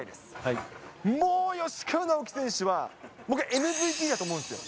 もう吉川尚輝選手は、僕はＭＶＰだと思うんですよ。